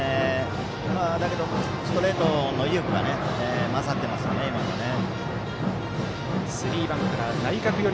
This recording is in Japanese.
だけど、ストレートの威力が勝っていますよね、今のね。